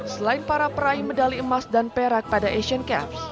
selain para peraih medali emas dan perak pada asian games